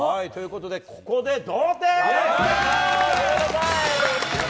ここで同点！